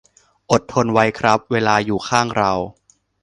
อดทนไว้ครับ เวลาอยู่ข้างเรา